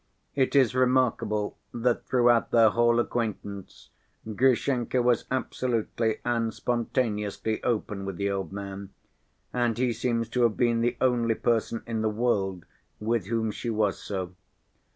It is remarkable that throughout their whole acquaintance Grushenka was absolutely and spontaneously open with the old man, and he seems to have been the only person in the world with whom she was so.